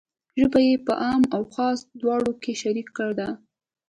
ژبه یې په عام و خاص دواړو کې شریکه ده.